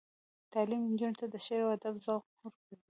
تعلیم نجونو ته د شعر او ادب ذوق ورکوي.